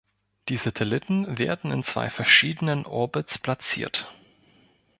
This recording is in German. Die Satelliten werden in zwei verschiedenen Orbits platziert.